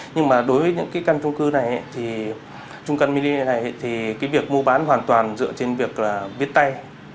nhưng mà đối với những cái căn trung cư này trung căn mini này thì cái việc mua bán hoàn toàn dựa trên việc viết tay